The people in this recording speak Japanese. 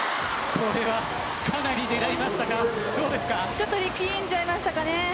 ちょっと力んじゃいましたかね。